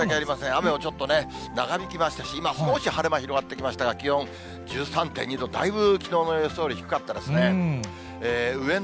雨もちょっと長引きましたし、今、少し晴れ間広がってきましたが、気温１３．２度、だいぶきのうの予想より低かったですね。